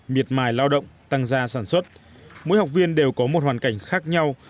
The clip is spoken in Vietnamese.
miệt mài lao động tăng gia sản xuất mỗi học viên đều có một hoàn cảnh khác nhau